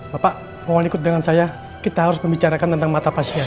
bapak mau ikut dengan saya kita harus membicarakan tentang mata pasien